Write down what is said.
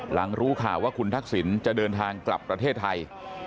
รู้ข่าวว่าคุณทักษิณจะเดินทางกลับประเทศไทย